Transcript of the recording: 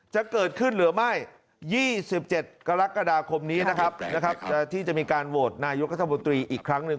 จะเกิดขึ้นหรือไม่๒๗กรกฎาคมนี้นะครับที่จะมีการโหวตนายกัธมนตรีอีกครั้งหนึ่ง